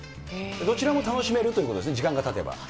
どちらも楽しめるということですね、時間がたてば。